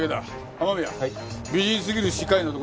雨宮美人すぎる歯科医の所に行くぞ。